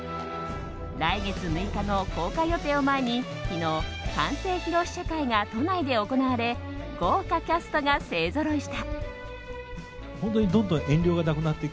来月６日の公開予定を前に昨日、完成披露試写会が都内で行われ豪華キャストが勢ぞろいした。